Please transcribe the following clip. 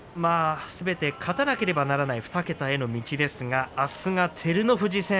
すべて勝たなければならない２桁への道ですがあすが照ノ富士戦。